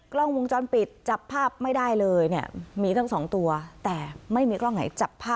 กล้องวงจรปิดจับภาพไม่ได้เลยเนี่ย